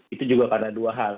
itu juga karena dua hal